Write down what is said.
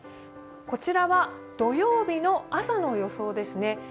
こちらは土曜日の朝の予想ですね。